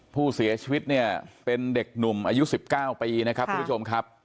ผู้เสียชีวิตเนี่ยเป็นเด็กหนุ่มอายุ๑๙ปีนะครับทุกผู้ชมครับ